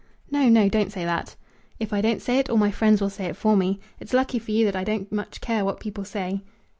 "No, no; don't say that." "If I don't say it, all my friends will say it for me. It's lucky for you that I don't much care what people say."